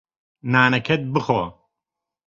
نانەکەت بخۆ.